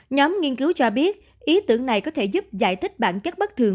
nhóm nghiên cứu cho biết ý tưởng này có thể giúp giải thích bản chất bất thường